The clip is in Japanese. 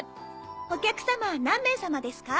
お客様何名様ですか？